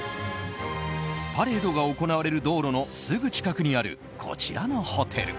パレードが行われる道路のすぐ近くにあるこちらのホテル。